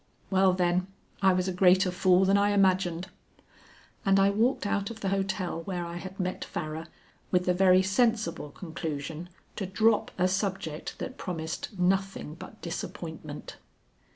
Well then, I was a greater fool than I imagined." And I walked out of the hotel where I had met Farrar, with the very sensible conclusion to drop a subject that promised nothing but disappointment.